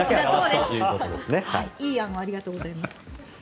いい案をありがとうございます。